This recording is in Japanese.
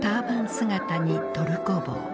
姿にトルコ帽。